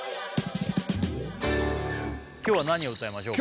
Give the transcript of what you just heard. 今日は何を歌いましょうか？